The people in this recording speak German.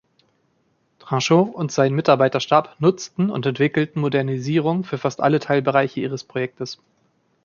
Tranchot und sein Mitarbeiterstab nutzten und entwickelten Modernisierungen für fast alle Teilbereiche ihres Projektes.